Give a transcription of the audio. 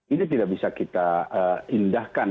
ini tidak bisa kita indahkan